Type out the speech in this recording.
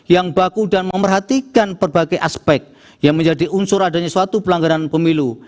yang baku dan memerhatikan berbagai aspek yang menjadi unsur adanya suatu pelanggaran pemilu